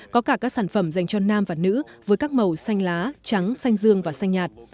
có cả các sản phẩm dành cho nam và nữ với các màu xanh lá trắng xanh dương và xanh nhạt